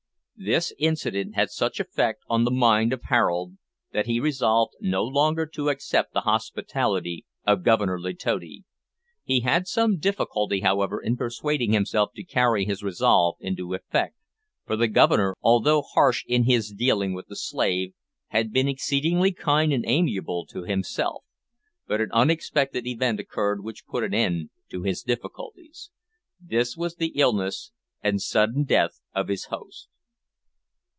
] This incident had such an effect on the mind of Harold, that he resolved no longer to accept the hospitality of Governor Letotti. He had some difficulty, however, in persuading himself to carry his resolve into effect, for the Governor, although harsh in his dealing with the slave, had been exceedingly kind and amiable to himself; but an unexpected event occurred which put an end to his difficulties. This was the illness and sudden death of his host.